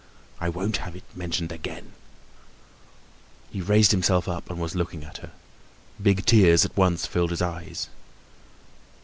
I won't have it mentioned again." He had raised himself up and was looking at her. Big tears at once filled his eyes.